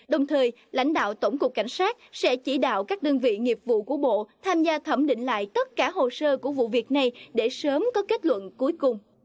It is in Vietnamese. đồng thời lãnh đạo tổng cục cảnh sát sẽ chỉ đạo các đơn vị nghiệp vụ của bộ tham gia thẩm định lại tất cả hồ sơ của vụ việc này để sớm có kết luận cuối cùng